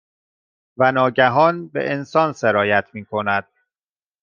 و ناگهان، به انسان سرایت میکند